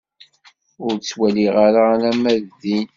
Ur ttwaliɣ ara alamma d din.